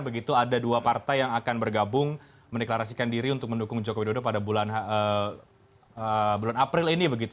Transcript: begitu ada dua partai yang akan bergabung mendeklarasikan diri untuk mendukung jokowi dodo pada bulan april ini